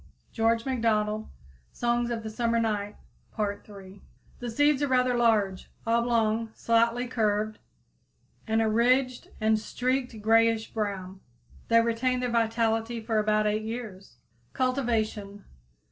George MacDonald "Songs of the Summer Night," Part III The seeds are rather large, oblong, slightly curved, and a ridged and streaked grayish brown. They retain their vitality for about eight years. _Cultivation.